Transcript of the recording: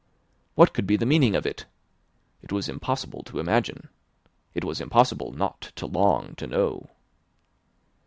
What could be the meaning of it? It was impossible to imagine; it was impossible not to long to know.